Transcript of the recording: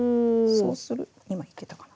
そうする今いけたかな。